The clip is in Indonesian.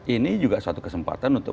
ini juga suatu kesempatan untuk